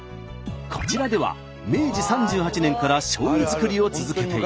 こちらでは明治３８年からしょうゆ造りを続けています。